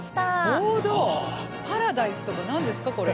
「パラダイス」とか何ですかこれ。